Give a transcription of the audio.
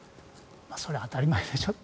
それは当たり前でしょと。